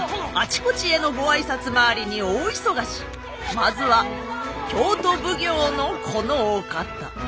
まずは京都奉行のこのお方。